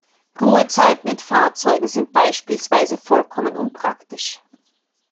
Ruhezeiten in Fahrzeugen sind beispielsweise vollkommen unpraktisch.